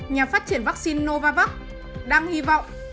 nhà phát triển vaccine novavax đang hy vọng